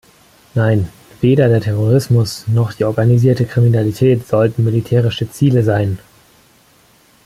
Nein, weder der Terrorismus noch die organisierte Kriminalität sollten militärische Ziele sein.